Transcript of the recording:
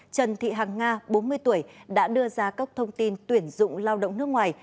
trần thị hàng nga bốn mươi tuổi đã đưa ra các thông tin tuyển dụng lao động nước ngoài